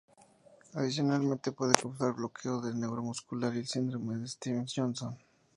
Adicionalmente puede causar: bloqueo neuromuscular y el Síndrome de Stevens-Johnson.